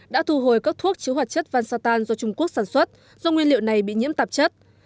đã thu hồi các thuốc chứa hoạt chất vansatan do trung quốc sản xuất do nguyên liệu này bị nhiễm tạp chất